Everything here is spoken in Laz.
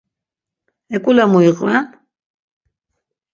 Eǩule mu iqven?